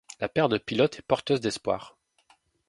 La paire de pilotes est porteuse d'espoir.